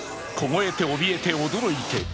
凍えておびえて驚いて。